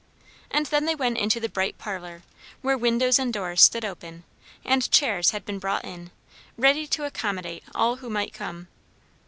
And then they went into the bright parlour, where windows and doors stood open, and chairs had been brought in, ready to accommodate all who might come.